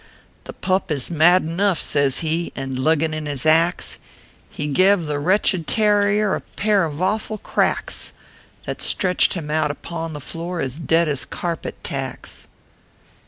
"The pup is mad enough," says he, And luggin in his axe, He gev the wretched tarrier A pair of awful cracks, That stretched him out upon the floor, As dead as carpet tacks.